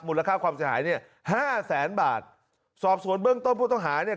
ค่าความเสียหายเนี่ยห้าแสนบาทสอบสวนเบื้องต้นผู้ต้องหาเนี่ย